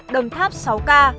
đồng tháp sáu ca